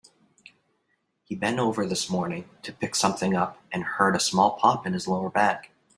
He bent over this morning to pick something up and heard a small pop in his lower back.